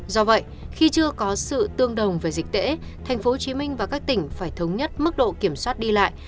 do vậy khi chưa có sự tương đồng về dịch tễ tp hcm và các tỉnh phải thống nhất mức độ kiểm soát đi lại